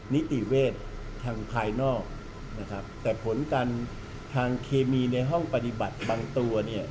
นิติเวชทางภายนอกนะครับแต่ผลการทางเคมีในห้องปฏิบัติบางตัวเนี่ย